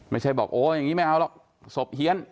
ไม่ใช่บอกโอ้อย่างนี้ไม่เอาหรอกศพเฮียน